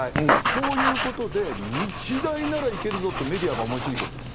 こういうことで日大ならいけるぞってメディアが思い過ぎている。